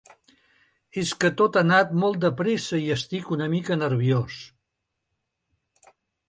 És que tot ha anat molt de pressa i estic una mica nerviós.